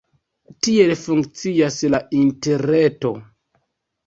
Tiel funkcias la interreto.